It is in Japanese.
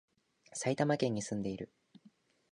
埼玉県に住んでいる